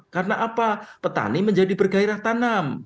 karena apa petani menjadi bergairah tanam